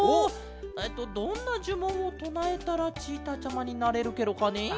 どんなじゅもんをとなえたらチーターちゃまになれるケロかね？